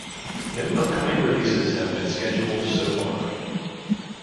No upcoming releases have been scheduled so far.